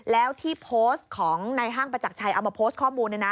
แล้วที่โพสต์ของในห้างประจักรชัยเอามาโพสต์ข้อมูล